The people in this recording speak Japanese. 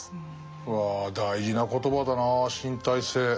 うわ大事な言葉だな「身体性」。